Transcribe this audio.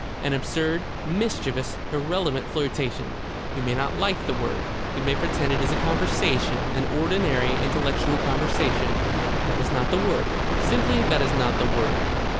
An absurd, mischievous, irrelevant flirtation. You may not like the word. You may pretend it is a conversation, an ordinary intellectual conversation. That is not the word. Simply that is not the word.